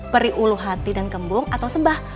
peri ulu hati dan kembung atau sembah